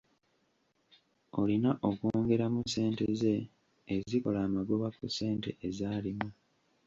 Olina okwongeramu ssente ze ezikola amagoba ku ssente ezaalima.